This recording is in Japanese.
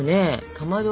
かまど